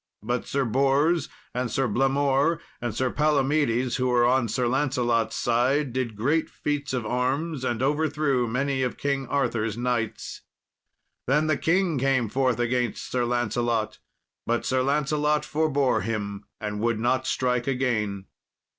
But Sir Bors, and Sir Blamor, and Sir Palomedes, who were on Sir Lancelot's side, did great feats of arms, and overthrew many of King Arthur's knights. Then the king came forth against Sir Lancelot, but Sir Lancelot forbore him and would not strike again.